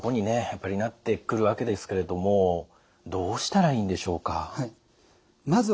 やっぱりなってくるわけですけれどもどうしたらいいんでしょうか。